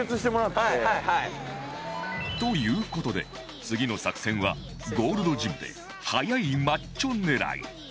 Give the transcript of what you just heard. という事で次の作戦はゴールドジムで速いマッチョ狙い